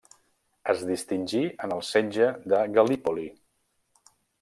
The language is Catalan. Es distingí en el setge de Gal·lípoli.